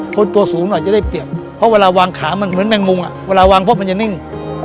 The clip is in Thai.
ตัวสูงหน่อยจะได้เปรียบเพราะเวลาวางขามันเหมือนแมงมุมเวลาวางปุ๊บมันจะนิ่ง